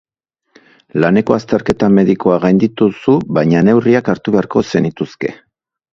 Laneko azterketa medikoa gainditu duzu baina neurriak hartu beharko zenituzke.